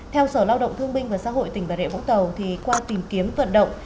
theo sở lao động thương binh và xã hội tỉnh bà rịa vũng tàu qua tìm kiếm vận động